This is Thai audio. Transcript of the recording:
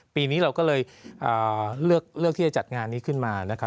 ปีนี้เราก็เลยเลือกที่จะจัดงานนี้ขึ้นมานะครับ